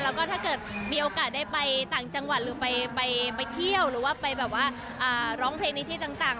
แล้วก็ถ้าเกิดมีโอกาสได้ไปต่างจังหวัดหรือไปเที่ยวหรือว่าไปแบบว่าร้องเพลงในที่ต่าง